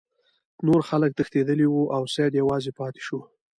نور خلک تښتیدلي وو او سید یوازې پاتې شو.